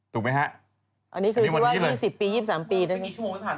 ถูกไหมฮะอันนี้คือที่ว่ายี่สิบปียี่สามปีแล้วเมื่อกี่ชั่วโมงที่ผ่าน